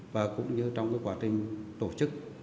và cũng như trong quá trình tổ chức